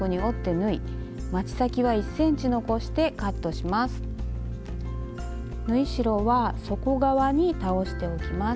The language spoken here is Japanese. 縫い代は底側に倒しておきます。